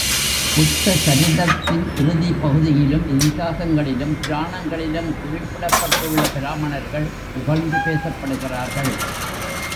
புத்தசரிதத்தின் இறுதிப் பகுதியிலும் இதிகாசங்களிலும் புராணங்களிலும் குறிப்பிடப்பட்டுள்ள பிராமணர்கள் புகழ்ந்து பேசப்படுகிறார்கள்.